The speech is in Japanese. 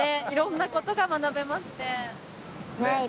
いろんなことが学べますね。